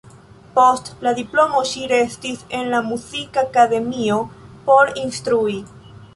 Post la diplomo ŝi restis en la Muzikakademio por instrui.